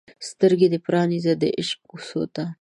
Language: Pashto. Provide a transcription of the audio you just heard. سترګې دې پرانیزه د عشق کوڅو ته